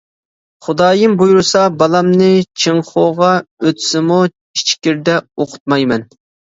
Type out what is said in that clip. خۇدايىم بۇيرۇسا بالامنى چىڭخۇاغا ئۆتسىمۇ ئىچكىرىدە ئوقۇتمايمەن.